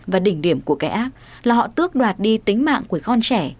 và đỉnh điểm của cái app là họ tước đoạt đi tính mạng của con trẻ